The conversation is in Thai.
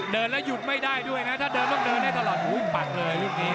เดินแล้วหยุดไม่ได้ด้วยนะถ้าเดินต้องเดินให้ตลอดหูปัดเลยลูกนี้